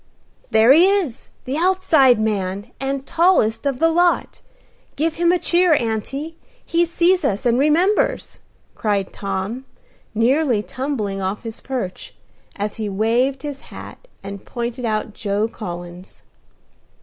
"There he is! The outside man, and tallest of the lot. Give him a cheer, auntie: he sees us, and remembers!" cried Tom, nearly tumbling off his perch, as he waved his hat, and pointed out Joe Collins.